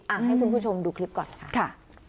ให้คุณผู้ชมดูคลิปก่อนค่ะ